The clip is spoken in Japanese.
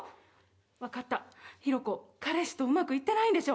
わかったヒロコ彼氏とうまくいってないんでしょ。